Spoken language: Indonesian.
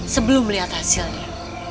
sebelum melihat hasilnya